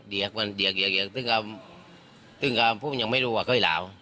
เดียกบ้างเดียกเดียกเดียกทั้งกับเพราะนี้พวกมันยังไม่รู้ว่าก็จะเหล้า